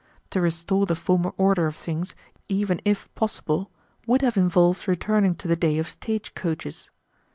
To restore the former order of things, even if possible, would have involved returning to the day of stagecoaches.